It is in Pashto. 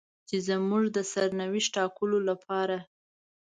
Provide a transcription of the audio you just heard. چې زموږ د سرنوشت ټاکلو لپاره.